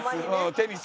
テニスの。